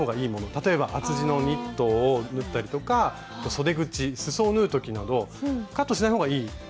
例えば厚地のニットを縫ったりとかそで口すそを縫う時などカットしない方がいい場合もあるんです。